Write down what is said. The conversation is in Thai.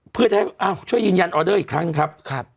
เพื่อจะให้ช่วยยืนยันออเดอร์อีกครั้งหนึ่งครับ